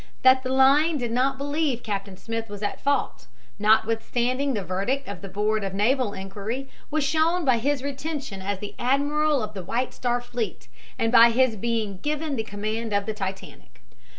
That the line did not believe Captain Smith was at fault, notwithstanding the verdict of the board of naval inquiry, was shown by his retention as the admiral of the White Star fleet and by his being given the command of the Titanic.